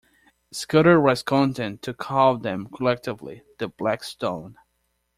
Scudder was content to call them collectively the “Black Stone”.